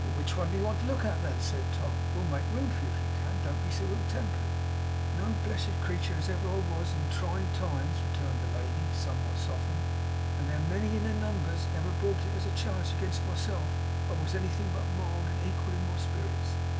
'Which one do you want to look at then?' said Tom. 'We'll make room for you if we can. Don't be so ill tempered.' 'No blessed creetur as ever I was with in trying times,' returned the lady, somewhat softened, 'and they're a many in their numbers, ever brought it as a charge again myself that I was anythin' but mild and equal in my spirits.